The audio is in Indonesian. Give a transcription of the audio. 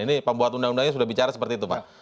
ini pembuat undang undangnya sudah bicara seperti itu pak